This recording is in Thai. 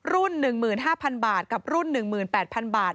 ๑๕๐๐บาทกับรุ่น๑๘๐๐๐บาท